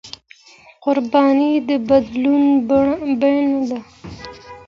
قرباني د بدلون بيه ده.